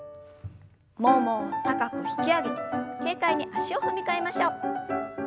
ももを高く引き上げて軽快に足を踏み替えましょう。